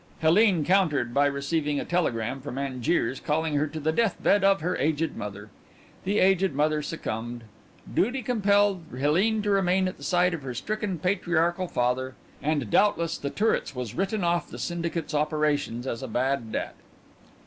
Helene countered by receiving a telegram from Angiers, calling her to the death bed of her aged mother. The aged mother succumbed; duty compelled Helene to remain at the side of her stricken patriarchal father, and doubtless The Turrets was written off the syndicate's operations as a bad debt."